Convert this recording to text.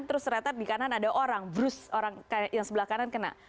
terus ternyata di kanan ada orang brus orang yang sebelah kanan kena